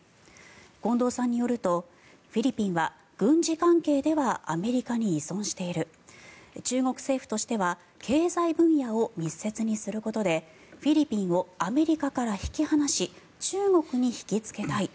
近藤さんによるとフィリピンは軍事関係ではアメリカに依存している中国政府としては経済分野を密接にすることでフィリピンをアメリカから引き離し中国に引きつけたい。